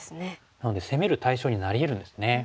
なので攻める対象になりえるんですね。